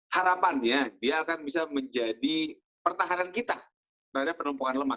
harapannya dia akan bisa menjadi pertahanan kita terhadap penumpukan lemak